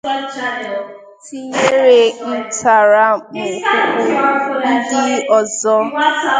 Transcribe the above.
tinyere ntaramahụhụ ndị ọzọ